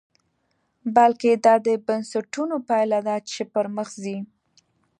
بلکې دا د بنسټونو پایله ده چې پرمخ ځي.